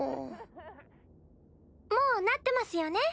もうなってますよね？